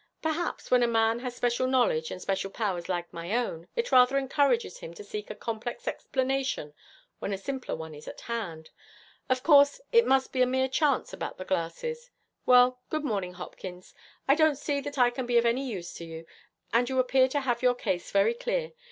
Perhaps, when a man has special knowledge and special powers like my own, it rather encourages him to seek a complex explanation when a simpler one is at hand. Of course, it must be a mere chance about the glasses. Well, good morning, Hopkins. I don't see that I can be of any use to you, and you appear to have your case very clear.